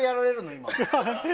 今。